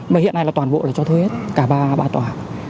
mà hiện nay là toàn bộ là cho thuê hết cả ba tòa